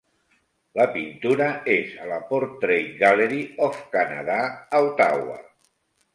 La pintura és a la Portrait Gallery of Canada, a Ottawa.